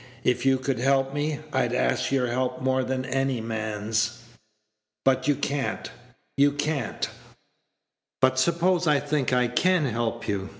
"If you could help me, I'd ask your help more than any man's. But you can't, you can't!" "But suppose I think I can help you?"